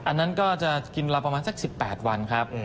อันนั้นก็จะกินเราประมาณสัก๑๘วันครับ